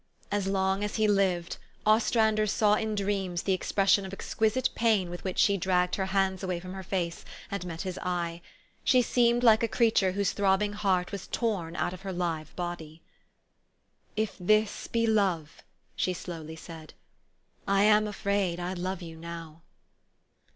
As long as he lived, Ostrander saw in dreams the expression of exquisite pain with which she dragged her hands away from her face, and met his eye. She seemed like a creature whose throbbing heart was torn out of her live body. " If this be love," she slowly said, " I am afraid I love you now."